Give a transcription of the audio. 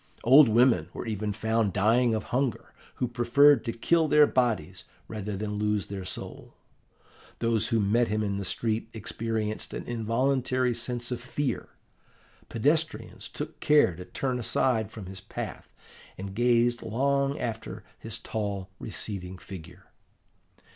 Old women were even found dying of hunger, who preferred to kill their bodies rather than lose their soul. Those who met him in the street experienced an involuntary sense of fear. Pedestrians took care to turn aside from his path, and gazed long after his tall, receding figure.